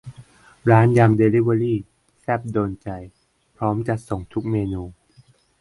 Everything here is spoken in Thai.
ร้านยำเดลิเวอรี่ แซ่บโดนใจ พร้อมจัดส่งทุกเมนู